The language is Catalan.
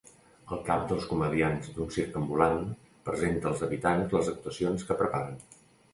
El cap dels comediants d'un circ ambulant presenta als habitants les actuacions que preparen.